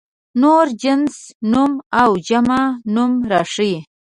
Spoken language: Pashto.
نور جنس نوم او جمع نوم راښيي.